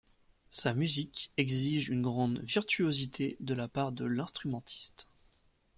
Sa musique exige une grande virtuosité de la part de l'instrumentiste.